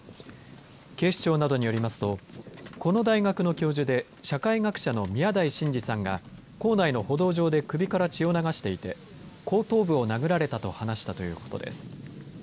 警視庁などによりますとこの大学の教授で社会学者の宮台真司さんが構内の歩道上で首から血を流していて後頭部を殴られたと話したということです。